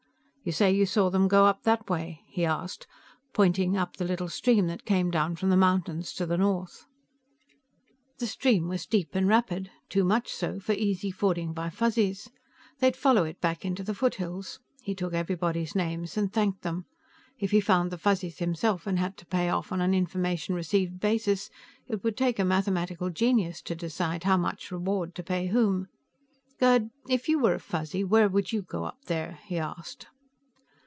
You say you saw them go up that way?" he asked, pointing up the little stream that came down from the mountains to the north. The stream was deep and rapid, too much so for easy fording by Fuzzies; they'd follow it back into the foothills. He took everybody's names and thanked them. If he found the Fuzzies himself and had to pay off on an information received basis, it would take a mathematical genius to decide how much reward to pay whom. "Gerd, if you were a Fuzzy, where would you go up there?" he asked.